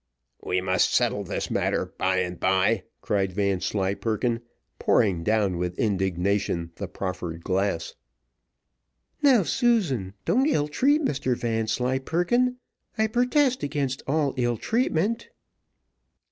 We will settle this matter by and bye," cried Vanslyperken, pouring down with indignation the proffered glass. "Now, Susan, don't ill treat Mr Vanslyperken: I purtest against all ill treatment."